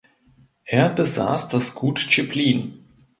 Er besaß das Gut Zschepplin.